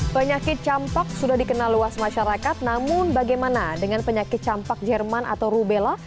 penyakit campak sudah dikenal luas masyarakat namun bagaimana dengan penyakit campak jerman atau rubella